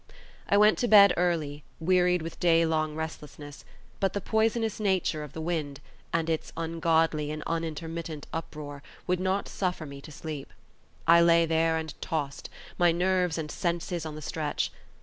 I went to bed early, wearied with day long restlessness, but the poisonous nature of the wind, and its ungodly and unintermittent uproar, would not suffer me to sleep. I lay there and tossed, my nerves and senses on the stretch.